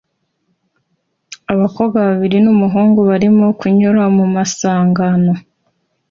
Abakobwa babiri n'umuhungu barimo kunyura mu masangano